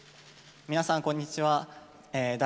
皆さんこんにちは。